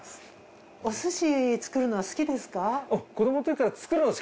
お寿司作るのは好きですか？